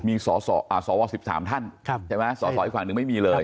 มีสอสออ่าสอวอสิบสามท่านครับใช่ไหมสอสออีกฝั่งหนึ่งไม่มีเลย